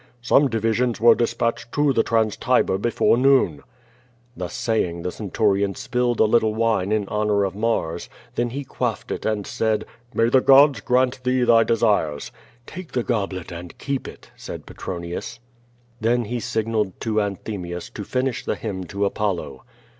'' "Some divisions were dispatched to the Trans Tiber before noon." Thus saying the centurion spilled a little wane in honor of Mars, then he quaffed it and said: "May the gods grant thee thy desires!" "Take the goblet and keep it," said Petronius. Then he signalled to Anthemius to finish the hymn to Apollo.